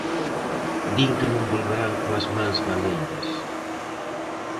Din que non volverán coas mans baleiras.